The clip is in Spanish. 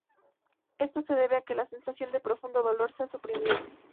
Esto se debe a que la sensación de profundo dolor se ha suprimido.